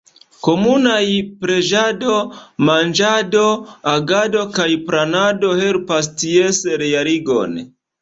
Komunaj preĝado, manĝado, agado kaj planado helpas ties realigon.